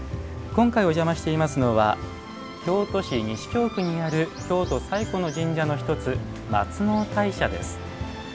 今回お邪魔していますのは京都市西京区にある京都最古の神社の１つ松尾大社です。